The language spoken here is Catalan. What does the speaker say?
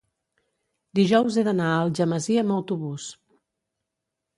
Dijous he d'anar a Algemesí amb autobús.